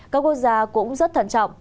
các quốc gia cũng rất thận trọng